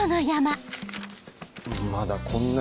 まだこんなに。